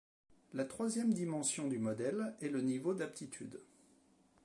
La troisième dimension du modèle est le niveau d’aptitude.